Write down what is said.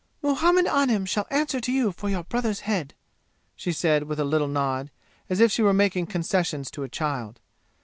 "Muhammad Anim shall answer to you for your brother's head!" she said with a little nod, as if she were making concessions to a child.